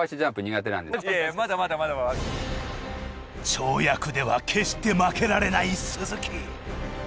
跳躍では決して負けられない鈴木。